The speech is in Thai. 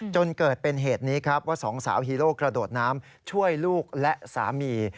จนเกิดเป็นเหตุนี้ครับว่าสองสาวฮีโร่กระโดดน้ำช่วยลูกและสามี